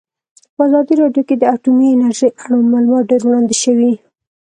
په ازادي راډیو کې د اټومي انرژي اړوند معلومات ډېر وړاندې شوي.